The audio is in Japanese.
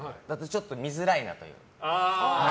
ちょっと見づらいなと。